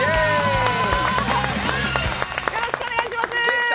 よろしくお願いします！